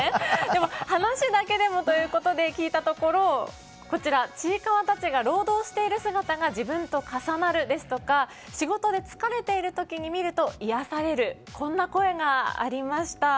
でも、話だけでもということで聞いたところちいかわたちが労働している姿が自分と重なるですとか仕事で疲れている時に見ると癒やされるこんな声がありました。